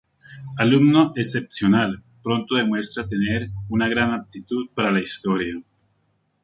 Alumno excepcional, pronto demuestra tener una gran aptitud para la Historia.